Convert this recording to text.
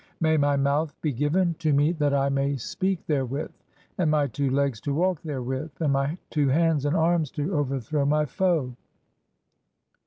May my mouth [be given] to me "that I may (4) speak therewith, and my two legs to walk there "with, and my two hands and arms to overthrow my foe.